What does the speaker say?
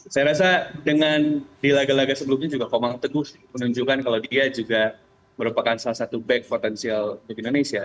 saya rasa dengan di laga laga sebelumnya juga komang teguh menunjukkan kalau dia juga merupakan salah satu back potensial untuk indonesia